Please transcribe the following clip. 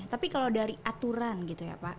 tapi kalau dari aturan gitu ya pak